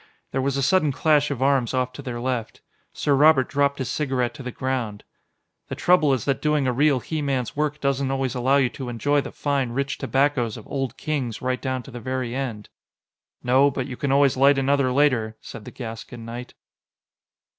There was a sudden clash of arms off to their left. Sir Robert dropped his cigarette to the ground. "The trouble is that doing a real he man's work doesn't always allow you to enjoy the fine, rich tobaccos of Old Kings right down to the very end." "No, but you can always light another later," said the Gascon knight.